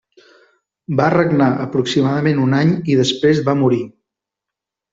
Va regnar aproximadament un any i després va morir.